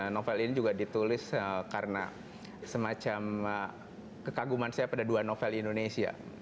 novel ini juga ditulis karena semacam kekaguman saya pada dua novel indonesia